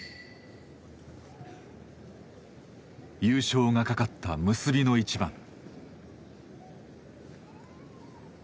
優勝がかかった結びの一番。